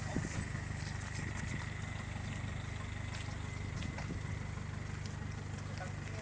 อันนี้เป็นอันนี้